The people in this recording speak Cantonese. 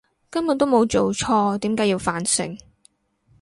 根本都冇做錯，點解要反省！